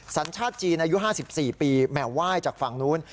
สัญชาติจีนอายุ๕๔ปีแหม่ไหว้จากฝั่งนู้น